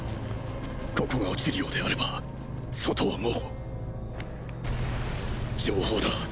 ここが堕ちるようであれば外はもう情報だ。